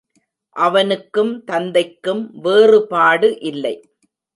அவனுக்கும் தந்தைக்கும் வேறுபாடு இல்லை.